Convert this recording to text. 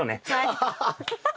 ハハハッ。